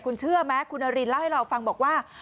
คุณเชื่อไหมคุณนารินเล่าให้เราฟังบอกว่า